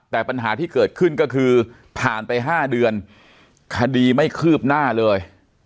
แต่ปัญหาที่เกิดขึ้นก็คือผ่านไป๕เดือนคดีไม่คืบหน้าเลย